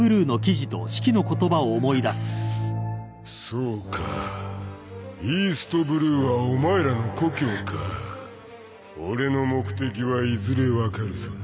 そうかイーストブルーはお前らの故郷か俺の目的はいずれ分かるさ